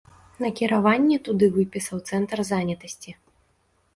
Накіраванне туды выпісаў цэнтр занятасці.